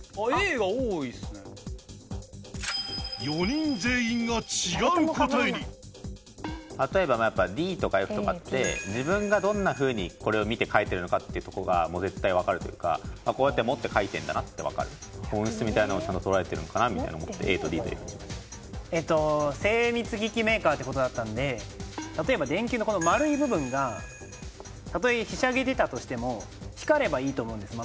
４人全員が違う答えに例えばＤとかＦとかって自分がどんなふうにこれを見て描いてるのかっていうとこが絶対わかるというかこうやって持って描いてるんだなってわかる本質みたいなのをちゃんと捉えてるのかなみたいに思ってＡとＤとＦにしました精密機器メーカーってことだったので例えば電球のこの丸い部分がたとえひしゃげてたとしても光ればいいと思うんです